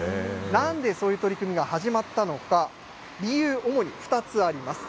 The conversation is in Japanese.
なんでそういう取り組みが始まったのか、理由、主に２つあります。